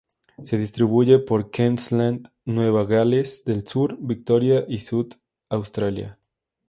Se distribuye por Queensland, Nueva Gales del Sur, Victoria y South Australia.